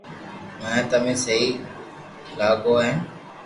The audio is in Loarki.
مني تمي سھي لاگو ھين